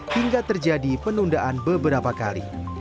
hingga terjadi penundaan beberapa kali